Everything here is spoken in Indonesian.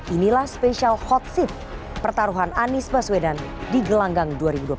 inilah spesial hot seat pertaruhan anies baswedan di gelanggang dua ribu dua puluh empat